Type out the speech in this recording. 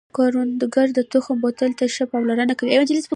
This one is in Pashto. کروندګر د تخم بوتل ته ښه پاملرنه کوي